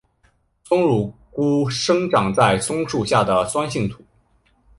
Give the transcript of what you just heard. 松乳菇生长在松树下的酸性土。